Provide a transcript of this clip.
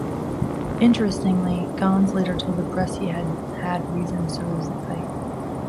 Interestingly, Gans later told the press he had had reasons to lose the fight.